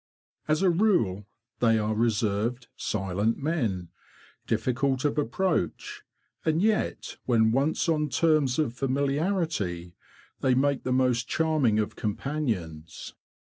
As a rule, they are reserved, silent men, difficult of approach; and yet, when once on terms of INTRODUCTION 15 familiarity, they make the most charming of companions.